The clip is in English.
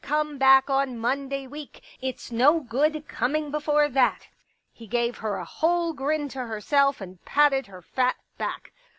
Come back on Monday week ; it*s no good coming before that." He gave her a whole grin to herself and patted her fat back.